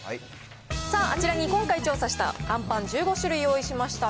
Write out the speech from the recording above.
さあ、あちらに今回調査したあんパン１５種類用意しました。